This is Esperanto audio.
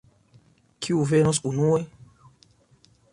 Kiu venos unue?